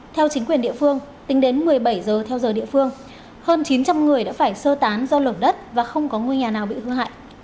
theo chính quyền địa phương tính đến một mươi bảy giờ theo giờ địa phương hơn chín trăm linh người đã phải sơ tán do lở đất và không có ngôi nhà nào bị hư hại